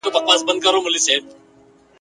هره ورځ یې دا یوه سندره کړله !.